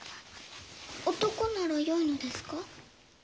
男ならよいのですか？